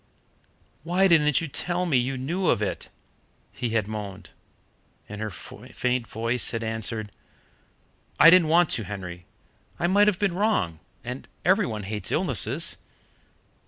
"Why didn't you tell me you knew of it?" he had moaned, and her faint voice had answered: "I didn't want to, Henry I might have been wrong and every one hates illnesses."